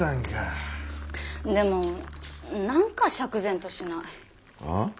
でもなんか釈然としない。はあ？